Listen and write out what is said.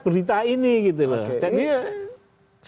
berita ini gitu loh jadi